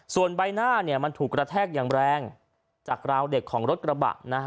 ส่วนใบหน้าเนี่ยมันถูกกระแทกอย่างแรงจากราวเด็กของรถกระบะนะฮะ